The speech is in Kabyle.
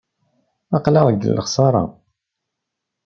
Aql-aɣ deg lexsara.